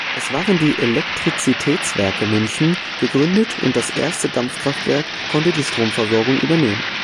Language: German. Es waren die Elektrizitätswerke München gegründet und das erste Dampfkraftwerk konnte die Stromversorgung übernehmen.